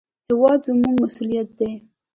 هېواد زموږ مسوولیت دی